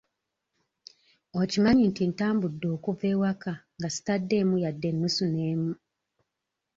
Okimanyi nti ntambudde okuva ewaka nga sitaddeemu yadde nnusu n'emu?